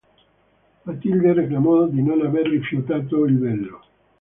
Matilde reclamò di non aver rifiutato il velo.